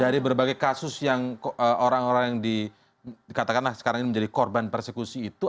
dari berbagai kasus yang orang orang yang dikatakanlah sekarang ini menjadi korban persekusi itu